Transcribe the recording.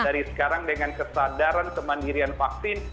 dari sekarang dengan kesadaran kemandirian vaksin